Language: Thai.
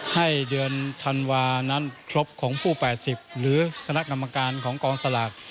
ให้เดือนธันวานั้นครบของผู้๘๐หรือคณะกรรมการของกองสลาก